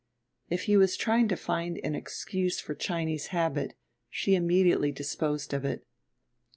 If he was trying to find an excuse for Chinese habit she immediately disposed of it.